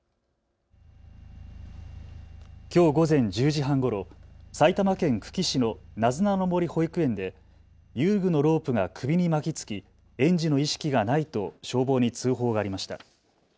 きょう午前１０時半ごろ、埼玉県久喜市のなずなの森保育園で遊具のロープが首に巻きつき園児の意識がないと消防に通報がありました。